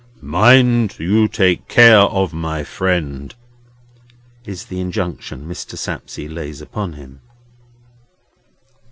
"Mind you take care of my friend," is the injunction Mr. Sapsea lays upon him.